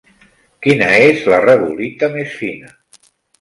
Quina és la regolita més fina?